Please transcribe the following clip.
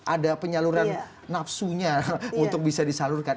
ada penyaluran nafsunya untuk bisa disalurkan